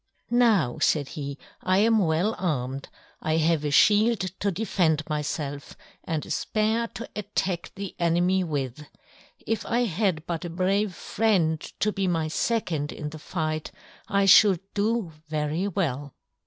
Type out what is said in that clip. "Now," said he, "I am well armed: I have a shield to defend myself and a spear to attack the enemy with. If I had but a brave friend to be my second in the fight I should do very well."